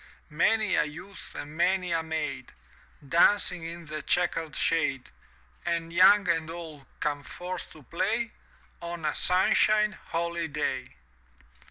— many a youth and many a maid^ Dancing in the chequered shade, And young and old come forth to play On a sunshine holiday.